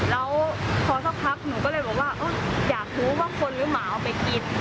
แล้วพอสักพักหนูก็เลยบอกว่าอยากรู้ว่าคนหรือหมาเอาไปกิน